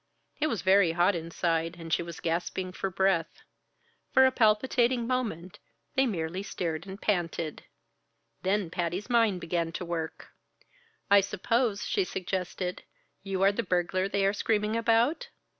It was very hot inside and she was gasping for breath. For a palpitating moment they merely stared and panted. Then Patty's mind began to work. "I suppose," she suggested, "you are the burglar they are screaming about?"